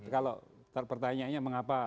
kalau pertanyaannya mengapa